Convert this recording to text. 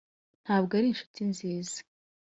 ntabwo ari inshuti nziza.